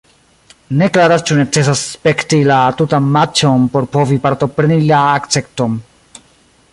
Ne klaras ĉu necesas spekti la tutan matĉon por povi partopreni la akcepton.